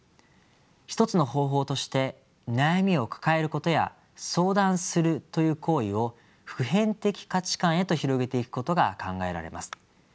一つの方法として悩みを抱えることや相談するという行為を普遍的価値観へと広げていくことが考えられます。